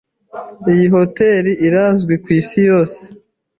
Iyi hoteri irazwi kwisi yose.